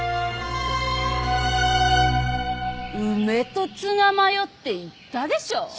梅とツナマヨって言ったでしょ。